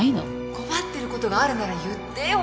困ってることがあるなら言ってよ